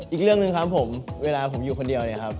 อีกเรื่องหนึ่งครับผมเวลาผมอยู่คนเดียวเนี่ยครับ